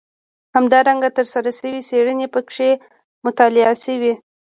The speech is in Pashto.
همدارنګه ترسره شوې څېړنې پکې مطالعه شوي.